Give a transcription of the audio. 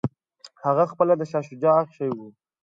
هغه پخپله د شاه شجاع اخښی وو.